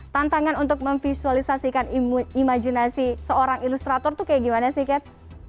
tantangan untuk memvisualisasikan imajinasi seorang ilustrator itu kayak gimana sih ket